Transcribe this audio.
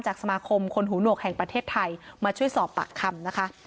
สมาคมคนหูหนวกแห่งประเทศไทยมาช่วยสอบปากคำนะคะ